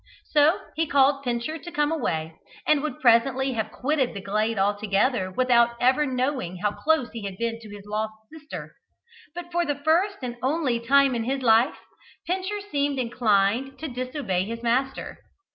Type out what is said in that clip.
So he called Pincher to come away, and would presently have quitted the glade altogether without ever knowing how close he had been to his lost sister. But, for the first and only time in his life, Pincher seemed inclined to disobey his master.